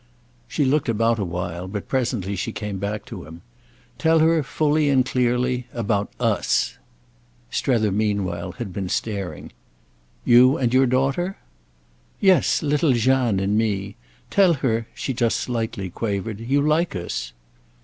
She looked about a while, but presently she came back to him. "Tell her, fully and clearly, about us." Strether meanwhile had been staring. "You and your daughter?" "Yes—little Jeanne and me. Tell her," she just slightly quavered, "you like us."